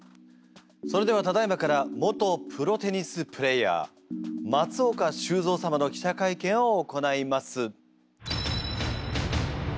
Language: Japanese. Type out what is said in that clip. それではただいまから元プロテニスプレーヤー松岡修造様の記者会見を行います。